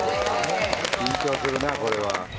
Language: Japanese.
緊張するなぁこれは。